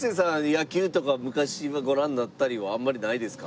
野球とか昔はご覧になったりはあんまりないですか？